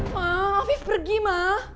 ma afif pergi ma